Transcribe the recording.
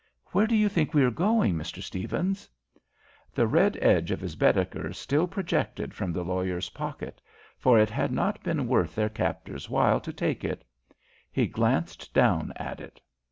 Where do you think we are going, Mr. Stephens?" The red edge of his Baedeker still projected from the lawyer's pocket, for it had not been worth their captor's while to take it. He glanced down at it.